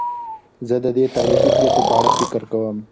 زه د دې تاریخي پېښو په اړه فکر کوم.